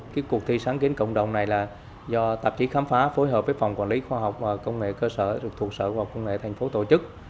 cái cuộc thi sáng kiến cộng đồng này là do tạp chí khám phá phối hợp với phòng quản lý khoa học và công nghệ cơ sở thuộc sở khoa học công nghệ thành phố tổ chức